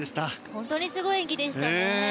本当にすごい演技でしたね。